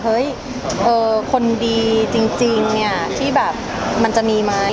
เฮ้ยคนดีจริงเนี่ยที่แบบมันจะมีไหม